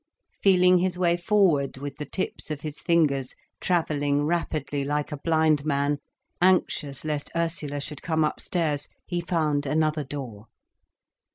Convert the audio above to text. Feeling his way forward, with the tips of his fingers, travelling rapidly, like a blind man, anxious lest Ursula should come upstairs, he found another door.